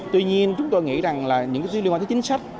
tuy nhiên chúng tôi nghĩ rằng những liên quan tới chính sách